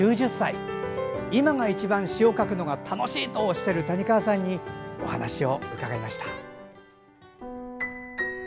９０歳、今が一番詩を書くのが楽しいとおっしゃる谷川さんにお話を伺いました。